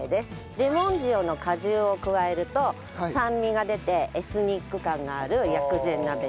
レモン塩の果汁を加えると酸味が出てエスニック感がある薬膳鍋になります。